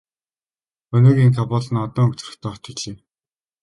Өнөөгийн Кабул нь олон өнгө төрхтэй хот билээ.